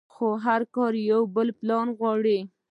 خو هر کار يو پلان غواړي.